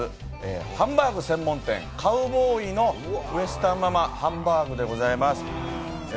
ハンバーグ専門店、かうぼーいのウエスタンママハンバーグでございます。